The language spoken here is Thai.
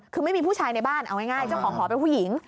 คือไม่มีผู้ชายในบ้านเอาง่ายเจ้าของหอเป็นผู้หญิง